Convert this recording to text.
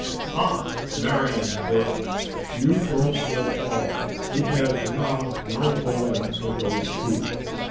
"Ah, Marian, gurl, you don't know all we hev now no home to go to!"